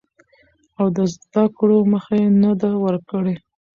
او د زده کړو مخه يې نه ده ورکړې.